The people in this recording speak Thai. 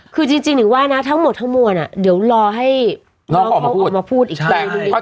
คือจริงหรือว่านะทั้งหมดทั้งมวลอะเดี๋ยวรอให้น้องเขาออกมาพูดอีกทีนึงดีกว่า